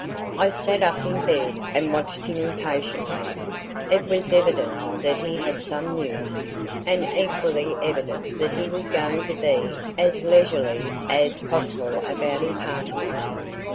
I sat up in bed and watched him impatiently. It was evident that he had some news, and equally evident that he was going to be as leisurely as possible about imparting it.